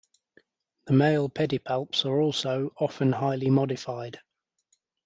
The male pedipalps are also often highly modified.